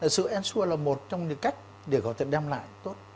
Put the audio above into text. sự ensure là một trong những cách để có thể đem lại tốt